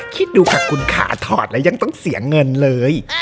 คิดดูค่ะคุณขาถอดแล้วยังต้องเสียเงินเลย